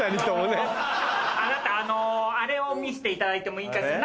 あなたあのあれを見せていただいてもいいかしら？